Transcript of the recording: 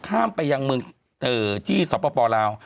ข้ามไปยังเมืองที่สปลาว